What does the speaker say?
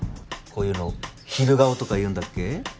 こういうの昼顔とか言うんだっけ？